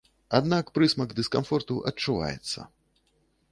Аднак прысмак дыскамфорту адчуваецца.